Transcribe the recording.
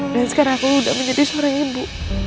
dan sekarang aku sudah menjadi seorang ibu